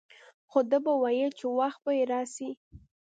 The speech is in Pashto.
خو ده به ويل چې وخت به يې راسي.